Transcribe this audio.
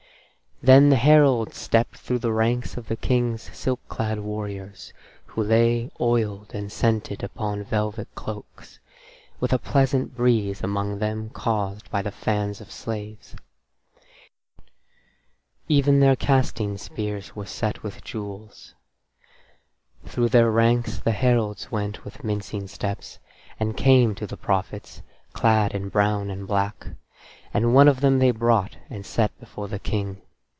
p>Then the heralds stepped through the ranks of the King's silk clad warriors who lay oiled and scented upon velvet cloaks, with a pleasant breeze among them caused by the fans of slaves; even their casting spears were set with jewels; through their ranks the heralds went with mincing steps, and came to the prophets, clad in brown and black, and one of them they brought and set him before the King.